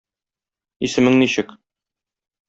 Исемең ничек?